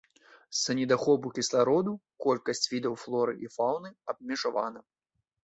З-за недахопу кіслароду колькасць відаў флоры і фаўны абмежавана.